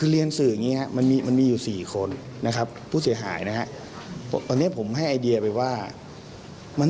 เราอยากจะได้พยานเหล่านี้อยากเข้าขายให้ผู้ทางบุหรับจะเข้าขาย